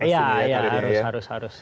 iya harus harus harus